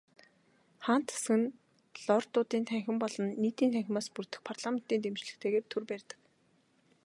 Хаант засаг нь Лордуудын танхим болон Нийтийн танхимаас бүрдэх парламентын дэмжлэгтэйгээр төр барьдаг.